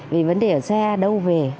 về vấn đề ở xa đâu về